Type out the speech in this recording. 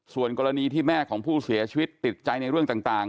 ส่วนกรณีที่แม่ของผู้เสียชีวิตติดใจในเรื่องต่าง